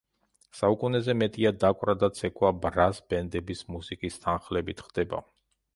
საუკუნეზე მეტია დაკვრა და ცეკვა ბრას ბენდების მუსიკის თანხლებით ხდება.